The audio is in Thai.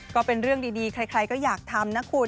ก็เป็นเรื่องดีใครก็อยากทำนะคุณ